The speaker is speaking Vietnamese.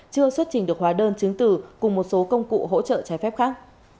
chưa xuất trình được hóa đơn chứng từ cùng một số công cụ hỗ trợ trái phép khác